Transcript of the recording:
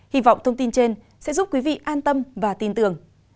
hy vọng thông tin trên sẽ giúp quý vị an tâm và tin tưởng